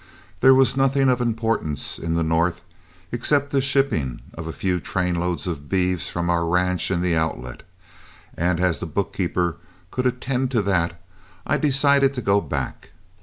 There was nothing of importance in the North except the shipping of a few trainloads of beeves from our ranch in the Outlet, and as the bookkeeper could attend to that, I decided to go back.